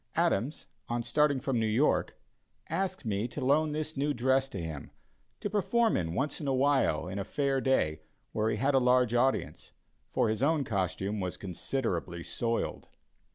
Adams, on starting from New York, asked me to loan this new dress to him to perform in once in a while in a fair day, where he had a large audience, for his own costume was considerably soiled.